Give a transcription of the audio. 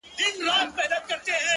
دغه دی ويې گوره دا لونگ ښه يمه!